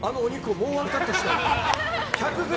もう１カットしたい。